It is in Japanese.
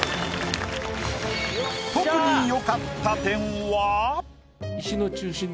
特によかった点は？